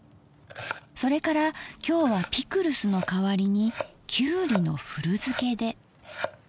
それから今日はピクルスの代わりにきゅうりの古漬けで。